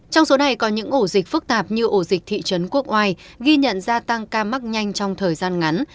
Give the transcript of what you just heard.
trong số này có những ổ dịch phức tạp như ổ dịch thị trấn quốc oai ghi nhận gia tăng ca mắc nhanh trong thời gian ngắn